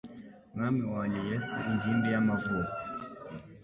Mwami wanjye Yesu ingimbi y'amavuko